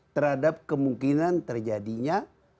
terhadap kemungkinan terjadinya